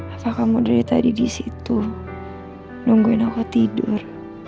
apa kamu dari tadi di situ nungguin aku tidur